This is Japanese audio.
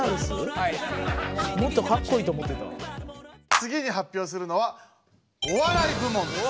つぎに発表するのはお笑い部門です！